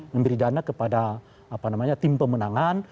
memberi dana kepada apa namanya tim pemenangan